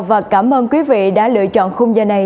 và cảm ơn quý vị đã lựa chọn khung giờ này